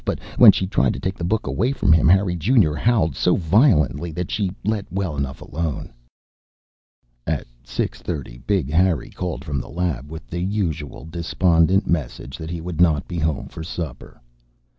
But when she tried to take the book away from him, Harry Junior howled so violently that she let well enough alone. At six thirty, Big Harry called from the lab, with the usual despondent message that he would not be home for supper.